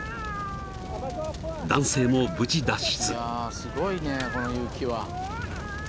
［男性も無事脱出］